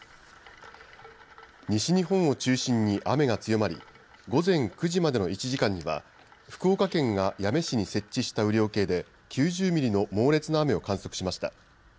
西日本を中心に雨が強まり午前９時までの１時間には福岡県が八女市に設置した雨量計で９０ミリの猛烈な雨を観測しました。